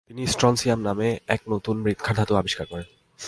তিনি স্ট্রনশিয়াম নামে এক নতুন মৃৎক্ষার ধাতু আবিষ্কার করেন।